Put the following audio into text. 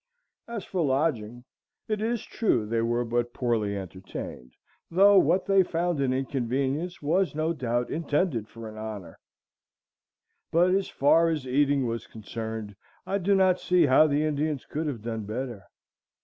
As for lodging, it is true they were but poorly entertained, though what they found an inconvenience was no doubt intended for an honor; but as far as eating was concerned, I do not see how the Indians could have done better.